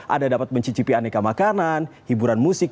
anda dapat mencicipi aneka makanan hiburan musik